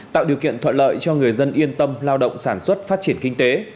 tạo điều kiện thuận lợi cho người dân yên tâm lao động sản xuất phát triển kinh tế